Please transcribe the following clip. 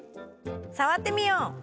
さわってみよう！